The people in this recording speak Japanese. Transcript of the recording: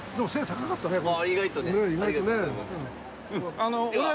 意外とねありがとうございます。